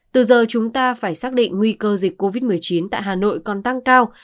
từ giờ chúng ta phải xác định nguy cơ dịch covid một mươi chín tại hà nội còn tăng cao